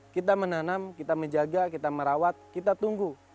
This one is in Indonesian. kita menanam kita menjaga kita merawat kita tunggu